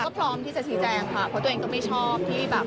ก็พร้อมที่จะชี้แจงค่ะเพราะตัวเองก็ไม่ชอบที่แบบ